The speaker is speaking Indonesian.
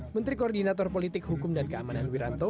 menteri koordinator politik hukum dan keamanan wiranto